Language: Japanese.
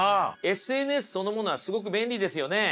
ＳＮＳそのものはすごく便利ですよね。